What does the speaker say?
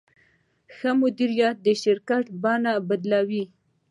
ښه مدیریت د شرکت بڼې بدلوي.